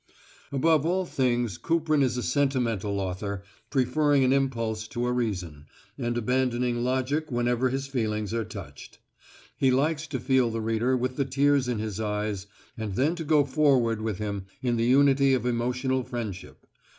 Above all things Kuprin is a sentimental author, preferring an impulse to a reason, and abandoning logic whenever his feelings are touched. He likes to feel the reader with the tears in his eyes and then to go forward with him in the unity of emotional friendship.